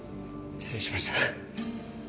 失礼しました